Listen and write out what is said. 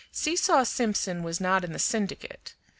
Seesaw Simpson was not in the syndicate.